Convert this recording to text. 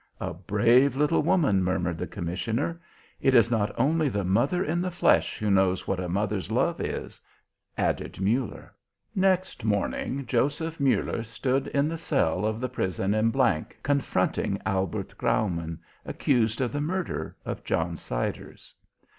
"A brave little woman," murmured the commissioner. "It is not only the mother in the flesh who knows what a mother's love is," added Muller. Next morning Joseph Muller stood in the cell of the prison in G confronting Albert Graumann, accused of the murder of John Siders.